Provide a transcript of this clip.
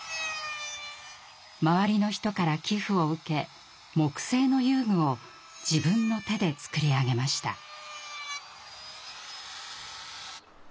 周りの人から寄付を受け木製の遊具を自分の手で作り上げました。